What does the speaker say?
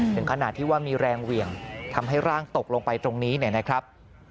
ถึงขนาดที่ว่ามีแรงเหวี่ยงทำให้ร่างตกลงไปตรงนี้เนี่ยนะครับ